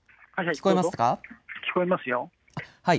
聞こえますよ。